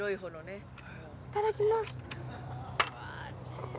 いただきます。